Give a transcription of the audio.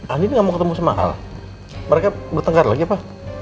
andin gak mau ketemu sama al mereka bertengkar lagi apa